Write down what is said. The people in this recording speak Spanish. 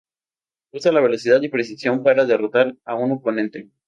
Usa la velocidad y precisión para derrotar a un oponente.